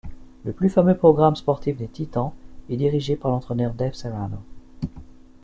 Le plus fameux programme sportif des Titans est dirigé par l'entraîneur Dave Serrano.